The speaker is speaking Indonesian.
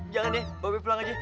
jangan ya mbak bet pulang aja